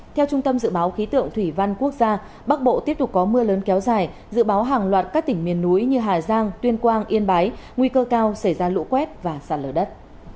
theo trung tâm dự báo khí tượng thủy văn quốc gia bắc bộ tiếp tục có mưa lớn kéo dài dự báo hàng loạt các tỉnh miền núi như hà giang tuyên quang yên bái nguy cơ cao xảy ra lũ quét và sạt lở đất